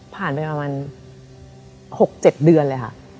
ผ่านไปประมาณ๖๗เดือนเลยค่ะ